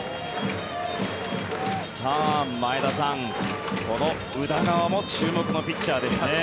前田さん、この宇田川も注目のピッチャーですね。